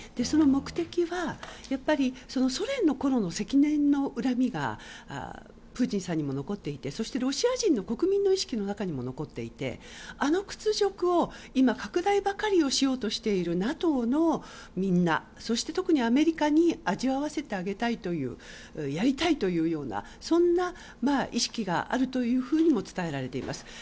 その目的はソ連のころの積年の恨みがプーチンさんにも残っていてそしてロシア人の国民の意識の中にも残っていてあの屈辱を今拡大ばかりをしようとしているＮＡＴＯのみんなそして特にアメリカに味わわせてあげたいというやりたいというようなそんな意識があるというふうにも伝えられています。